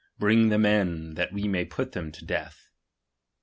Bring the men, that we may put them to death.